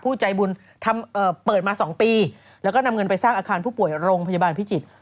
ใจบุญเปิดมา๒ปีแล้วก็นำเงินไปสร้างอาคารผู้ป่วยโรงพยาบาลพิจิตร